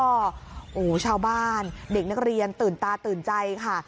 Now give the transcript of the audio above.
โอ้โหชาวบ้านเด็กนักเรียนตื่นตาตื่นใจค่ะ